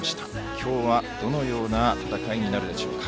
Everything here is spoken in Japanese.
きょうは、どのような戦いになるでしょうか。